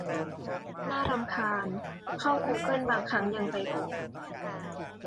น่ารำคาญ เข้ากูเกิ้ลบางครั้งยังไปโผล่